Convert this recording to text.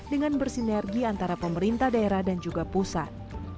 dengan bersinergi antara pemerintah daerah dan juga pusat